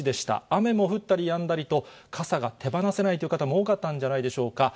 雨も降ったりやんだりと、傘が手放せないという方も多かったんじゃないでしょうか。